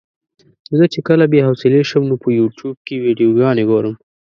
زه چې کله بې حوصلې شم نو په يوټيوب کې ويډيوګانې ګورم.